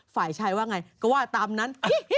ฝ่ายชายว่าไงก็ว่าตามนั้น